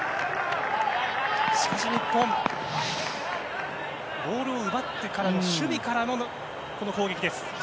しかし日本、ボールを奪ってから守備からの攻撃です。